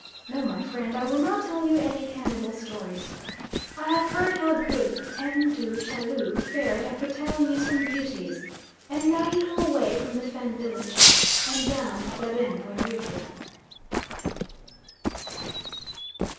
No, my friend, I will not tell you any cannibal stories. I have heard how good M. du Chaillu fared after telling you some beauties, and now you come away from the Fan village and down the Rembwe river.